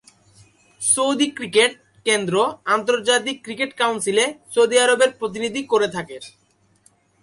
Saudi cricket কেন্দ্র আন্তর্জাতিক cricket কাউন্সিলে সৌদি আরবের প্রতিনিধি করে থাকে।